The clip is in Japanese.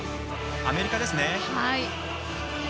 アメリカですね。